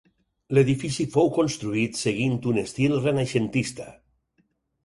L'edifici fou construït seguint un estil renaixentista.